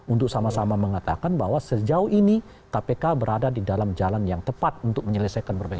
untuk sama sama mengatakan bahwa sejauh ini kpk berada di dalam jalan yang tepat untuk menyelesaikan berbagai hal